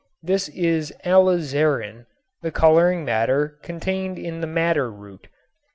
This is alizarin, the coloring matter contained in the madder root.